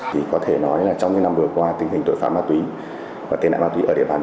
thì có thể nói là trong những năm vừa qua tình hình tội phạm ma túy và tên nạn ma túy ở địa bàn